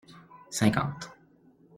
Cinquante.